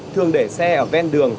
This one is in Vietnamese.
thường để xe ở ven đường